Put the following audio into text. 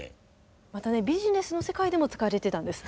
またねビジネスの世界でも使われていたんです。